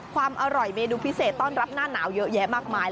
ความอร่อยเมนูพิเศษต้อนรับหน้าหนาวเยอะแยะมากมาย